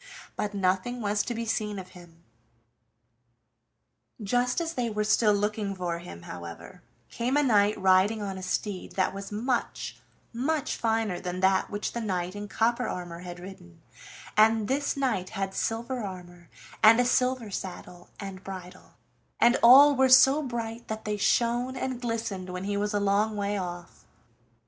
But nothing was to be seen of him. Just as they were still looking for him, however, came a knight riding on a steed that was much, much finer than that which the knight in copper armor had ridden, and this knight had silver armor and a silver saddle and bridle, and all were so bright that they shone and glistened when he was a long way off.